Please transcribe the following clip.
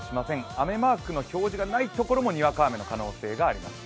雨マークがないところもにわか雨の可能性があります。